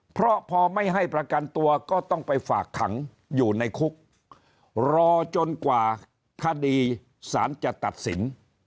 เพราะพอไม่ให้ประกันตัวก็ต้องไปฝากขังอยู่ในคุกรอจนกว่าคดีสารจะตัดสิน